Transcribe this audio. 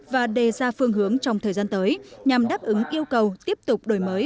và đề ra phương hướng trong thời gian tới nhằm đáp ứng yêu cầu tiếp tục đổi mới